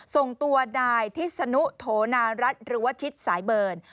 ส่งตัวนายทิศนุโถนารัฐหรือว่าชิดสายเบิร์น